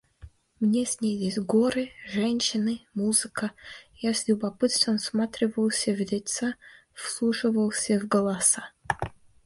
Мне снились горы, женщины, музыка, я с любопытством всматривался в лица, вслушивался в голоса.